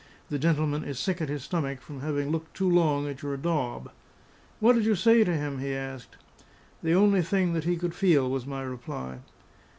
"The gentleman is sick at his stomach from having looked too long at your daub." "What did you say to him?" he asked. "The only thing that he could feel," was my reply.